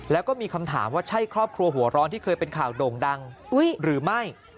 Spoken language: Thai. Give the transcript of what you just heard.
แล้วก็มีคำถามว่าใช่ครอบครัวหัวร้อนที่เคยเป็นข่าวโด่งดังหรือไม่